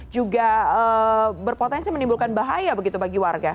juga berpotensi menimbulkan bahaya begitu bagi warga